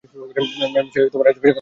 Ma'am, সে আজেবাজে কথা বলছে।